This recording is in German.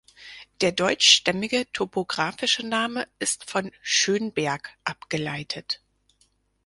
Der deutschstämmige topographische Name ist von "Schönberg" abgeleitet.